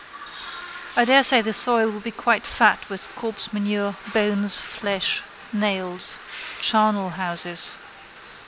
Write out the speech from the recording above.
I daresay the soil would be quite fat with corpsemanure, bones, flesh, nails. Charnelhouses.